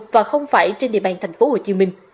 và không phải trên địa bàn tp hcm